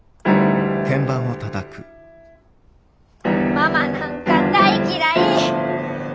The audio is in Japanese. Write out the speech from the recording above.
ママなんか大嫌い！